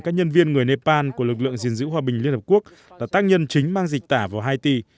các nhân viên người nepal của lực lượng gìn giữ hòa bình liên hợp quốc là tác nhân chính mang dịch tả vào haiti